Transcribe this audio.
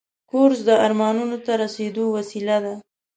کورس د ارمانونو ته رسیدو وسیله ده.